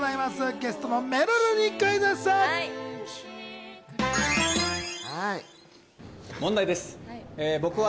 ゲストのめるるにクイズッス。